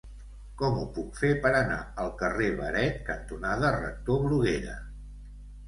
Com ho puc fer per anar al carrer Beret cantonada Rector Bruguera?